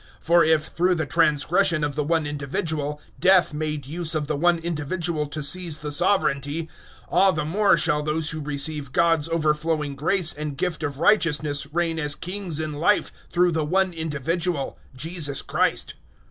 005:017 For if, through the transgression of the one individual, Death made use of the one individual to seize the sovereignty, all the more shall those who receive God's overflowing grace and gift of righteousness reign as kings in Life through the one individual, Jesus Christ.